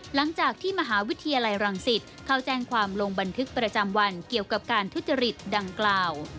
หลังจากที่มหาวิทยาลัยรังสิตเข้าแจ้งความลงบันทึกประจำวันเกี่ยวกับการทุจริตดังกล่าว